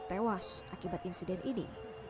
tewas akibat insiden ini